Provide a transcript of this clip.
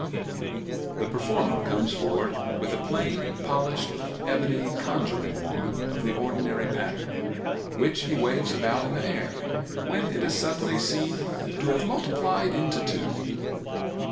—The performer comes forward with a plain polished ebony conjuring wand of the ordinary pattern, which he waves about in the air, when it is suddenly seen to have multiplied into two.